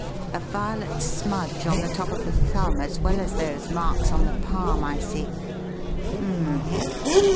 A violet smudge on the top of the thumb as well as those marks on the palm, I see. Hum m m!